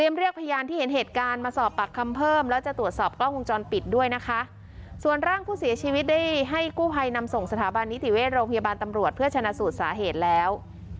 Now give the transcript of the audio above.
เว่นโรงพยาบาลตำรวจเพื่อชนะสูดสาเหตุแล้ว